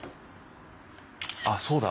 あっそうだ。